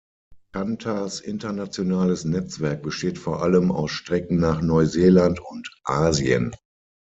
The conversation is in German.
Qantas’ internationales Netzwerk besteht vor allem aus Strecken nach Neuseeland und Asien.